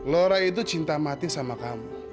lora itu cinta mati sama kamu